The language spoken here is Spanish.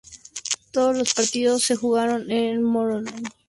Todos los partidos se jugaron en Moroni, Comoras.